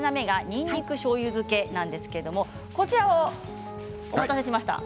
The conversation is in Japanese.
にんにくしょうゆ漬けなんですけれどこちら、お待たせしました。